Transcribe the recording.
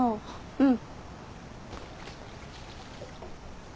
うん。